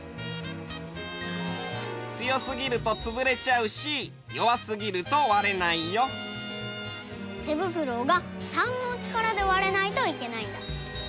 強すぎるとつぶれちゃうしよわすぎるとわれないよ。てぶくろうが３の力でわらないといけないんだ。